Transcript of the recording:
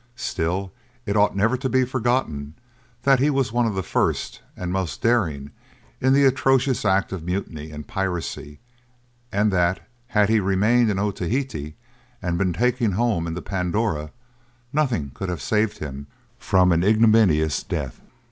Still it ought never to be forgotten that he was one of the first and most daring in the atrocious act of mutiny and piracy, and that, had he remained in Otaheite, and been taken home in the Pandora, nothing could have saved him from an ignominious death.